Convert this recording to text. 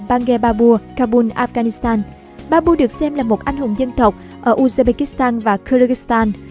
babur được xem là một anh hùng dân tộc ở uzbekistan và kyrgyzstan